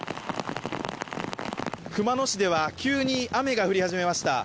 熊野市では急に雨が降り始めました。